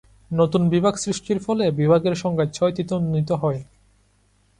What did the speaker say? নতুন বিভাগ সৃষ্টির ফলে বিভাগের সংখ্যা ছয়টিতে উন্নীত হয়।